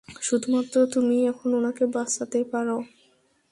শুধুমাত্র তুমিই এখন ওনাকে বাঁচাতে পারো।